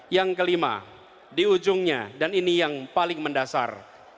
yang kelima di ujungnya dan ini yang paling mendasar